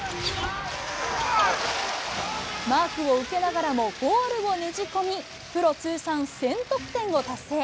マークを受けながらもゴールをねじ込み、プロ通算１０００得点を達成。